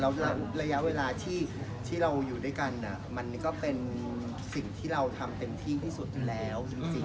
แล้วระยะเวลาที่เราอยู่ด้วยกันมันก็เป็นสิ่งที่เราทำเต็มที่ที่สุดแล้วจริง